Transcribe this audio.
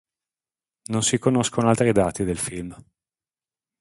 Non si conoscono altri dati del film.